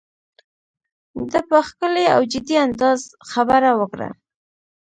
ده په ښکلي او جدي انداز خبره وکړه.